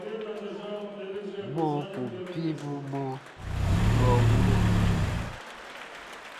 Mɔɔ kùn piibuu mɔ durɔ wunɛ: